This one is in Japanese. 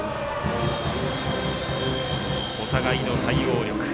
お互いの対応力。